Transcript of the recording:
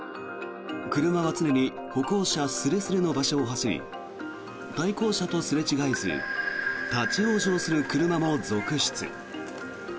車は常に歩行者すれすれの場所を走り対向車とすれ違えず立ち往生する車も続出。